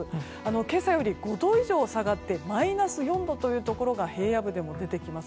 今朝より５度以上下がってマイナス４度というところが平野部でも出てきます。